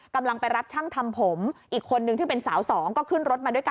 กำลังไปรับช่างทำผมอีกคนนึงที่เป็นสาวสองก็ขึ้นรถมาด้วยกัน